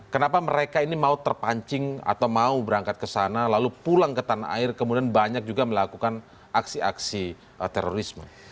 kenapa mereka ini mau terpancing atau mau berangkat ke sana lalu pulang ke tanah air kemudian banyak juga melakukan aksi aksi terorisme